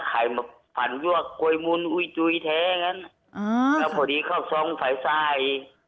ไข่มาฝันยวกโกยมุนอุ้ยจุยแท้อย่างนั้นอืมแล้วพอดีเข้าซ้องฝ่ายทราย